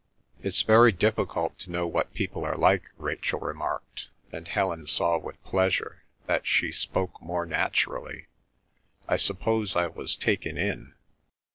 "It's very difficult to know what people are like," Rachel remarked, and Helen saw with pleasure that she spoke more naturally. "I suppose I was taken in."